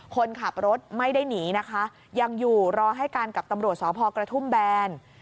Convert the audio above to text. คนขับรถไม่ได้หนีนะคะยังอยู่รอให้การกับตำรวจสพกระทุ่มแบน